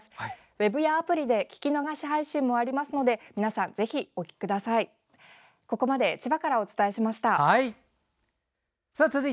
ウェブやアプリで聴き逃し配信もありますので皆さんぜひお聴きください。